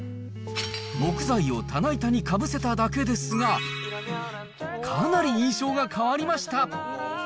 木材を棚板にかぶせただけですが、かなり印象が変わりました。